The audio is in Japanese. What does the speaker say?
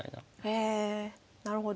へえなるほど。